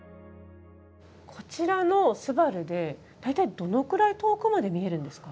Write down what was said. こちらのすばるで大体どのくらい遠くまで見えるんですか？